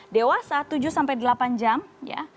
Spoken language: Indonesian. dewasa tujuh sampai delapan jam ya